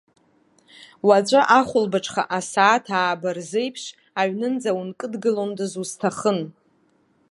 Уаҵәы ахәылбыҽха асааҭ ааба рзы еиԥш аҩнынӡа ункыдгылондаз, усҭахын.